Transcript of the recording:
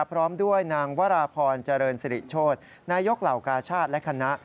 พร้อมด้วยนางวราพรเจริญสิริโชธนายกเหล่ากาชาติและคณะ